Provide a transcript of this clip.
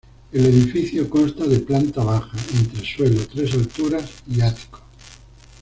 El edificio consta de planta baja, entresuelo, tres alturas y ático.